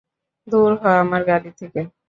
দুর হ আমার গাড়ি থেকে!